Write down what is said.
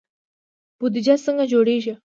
بودجه څنګه جوړیږي؟